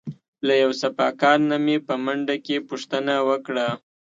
له یو صفاکار نه مې په منډه کې پوښتنه وکړه.